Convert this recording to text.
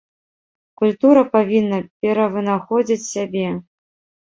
Культура павінна перавынаходзіць сябе.